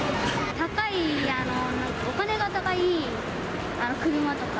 高い、なんか、お金が高い車とか。